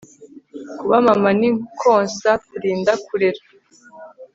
kuba mama ni konsa, kurinda, kurera